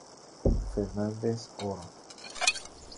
Fernández Oro.